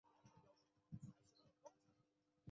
叶梦得。